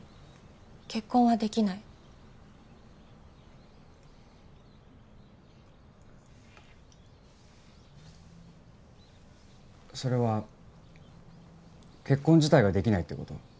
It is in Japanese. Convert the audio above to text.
結婚はできないそれは結婚自体ができないってこと？